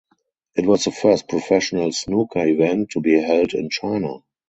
It was the first professional snooker event to be held in China.